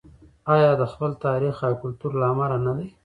آیا د خپل تاریخ او کلتور له امله نه دی؟